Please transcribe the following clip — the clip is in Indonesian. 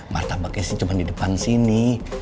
martabaknya sih cuma di depan sini